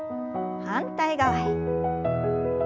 反対側へ。